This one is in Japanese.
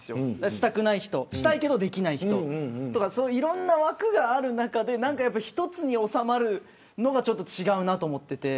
したくない人したいけどできない人いろんな枠がある中で一つに収まるのが何か違うなと思っていて。